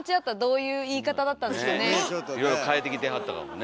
いろいろ変えてきてはったかもね。